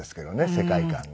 世界観が。